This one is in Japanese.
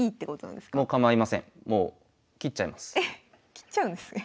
切っちゃうんですね。